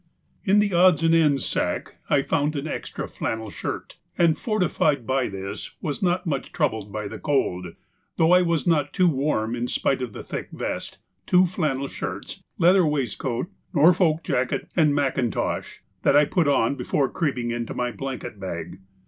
_—In the odds and ends sack I had found an extra flannel shirt, and, fortified by this, was not much troubled by the cold, though I was not too warm in spite of the thick vest, two flannel shirts, leather waistcoat, Norfolk jacket, and macintosh, that I put on before creeping into my blanket bag.